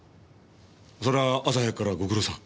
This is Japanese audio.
そりゃ朝早くからご苦労さん。